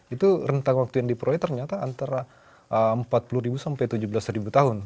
itu rentang waktu yang diperoleh ternyata antara empat puluh sampai tujuh belas tahun